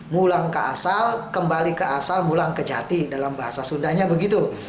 mulang ke asal kembali ke asal mulang ke jati dalam bahasa sundanya begitu